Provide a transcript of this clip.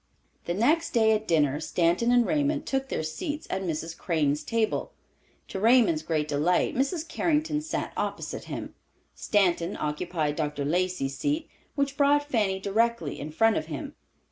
The next day at dinner Stanton and Raymond took their seats at Mrs. Crane's table. To Raymond's great delight Mrs. Carrington sat opposite him. Stanton occupied Dr. Lacey's seat, which brought Fanny directly in front of him.